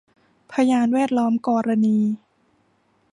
พยานแวดล้อมกรณี